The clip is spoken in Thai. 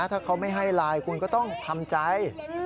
ถ้าเขาไม่ให้ไลน์คุณก็ต้องทำใจ